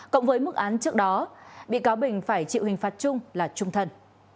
cộng với mức án trước đó bị cáo bình phải chịu hình phạt chung là trung thân